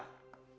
terima kasih war